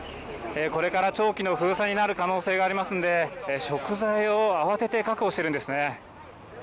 これから長期の封鎖になる可能性がありますので、食材を慌てて確保しているんですね。